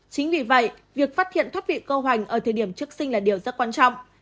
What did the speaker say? chính vì vậy việc phát hiện thoát vị câu hoành ở thời điểm trước sinh là điều rất quan trọng